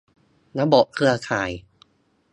ระบบเครือข่าย